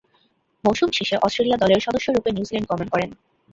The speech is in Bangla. মৌসুম শেষে অস্ট্রেলিয়া দলের সদস্যরূপে নিউজিল্যান্ড গমন করেন।